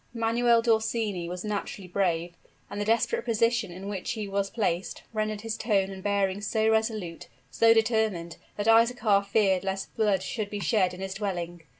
Manuel d'Orsini was naturally brave, and the desperate position in which he was placed, rendered his tone and bearing so resolute so determined, that Isaachar feared lest blood should be shed in his dwelling.